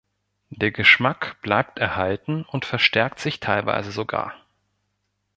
Der Geschmack bleibt erhalten und verstärkt sich teilweise sogar.